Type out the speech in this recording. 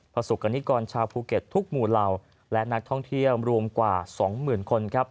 ประสบกรณิกรชาวภูเก็ตทุกหมู่เหล่าและนักท่องเที่ยวรวมกว่า๒๐๐๐คนครับ